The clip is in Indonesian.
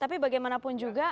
tapi bagaimanapun juga